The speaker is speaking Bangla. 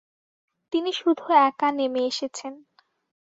তিনি শুধু একা নেমে এসেছেন।